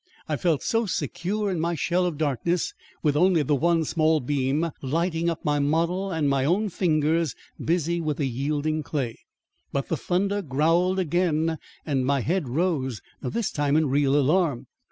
I felt so secure in my shell of darkness, with only the one small beam lighting up my model and my own fingers busy with the yielding clay. But the thunder growled again and my head rose, this time in real alarm.